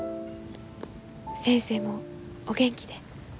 先生もお元気で。